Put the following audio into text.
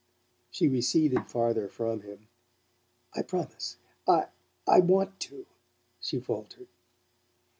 She receded farther from him. "I promise. I I WANT to," she faltered.